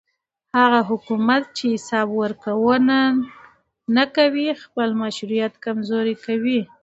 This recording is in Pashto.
هغه حکومت چې حساب ورکوونه نه کوي خپل مشروعیت کمزوری کوي